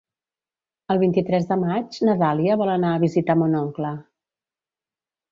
El vint-i-tres de maig na Dàlia vol anar a visitar mon oncle.